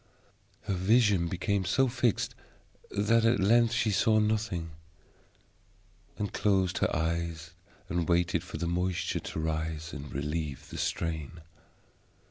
Her vision became so fixed that at length she saw nothing, and closed her eyes and waited for the moisture to rise and relieve the strain.